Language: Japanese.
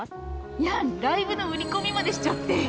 いやんライブの売り込みまでしちゃって。